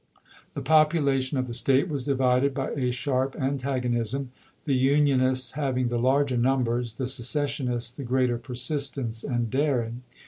The population of the State was divided by a sharp antagonism, the Unionists having the larger numbers, the seces sionists the greater persistence and daring.